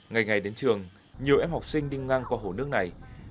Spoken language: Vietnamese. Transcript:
ngày ngày đến trường nhiều em học sinh đi ngang qua hồ nước này